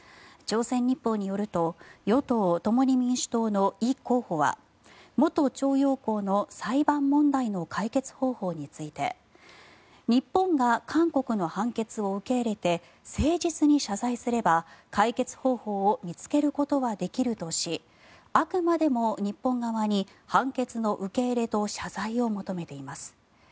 朝鮮日報によると与党・共に民主党のイ候補は元徴用工の裁判問題の解決方法について日本が韓国の判決を受け入れて誠実に謝罪すれば解決方法を見つけることはできるとしあくまでも日本側に判決の受け入れと謝罪を求めています。